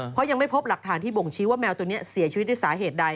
เพราะยังไม่พบหลักฐานที่บ่งชี้ว่าแมวตัวนี้เสียชีวิตด้วยสาเหตุใด